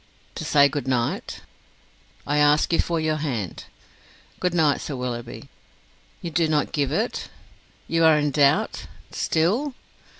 "To say good night?" "I ask you for your hand." "Good night, Sir Willoughby." "You do not give it. You are in doubt? Still?